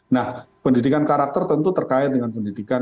nah pendidikan karakter tentu terkait dengan pendidikan